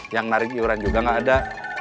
yang narik iuran juga nggak ada